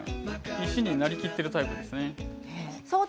石になりきっているタイプなんです。